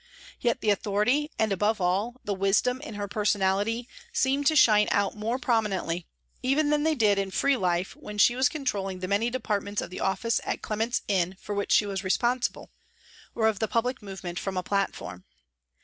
Yet the authority, and above all, the wisdom in her personality seemed to shine out more prominently even than they did in free life when she was con trolling the many departments of the office at Clement's Inn for which she was responsible, or of 154 PRISONS AND PRISONERS the public movement from a platform.